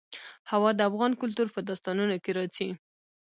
هوا د افغان کلتور په داستانونو کې راځي.